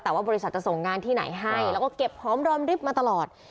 แต่ว่าบริษัทจะส่งงานที่ไหนให้แล้วก็เก็บหอมรอมริบมาตลอด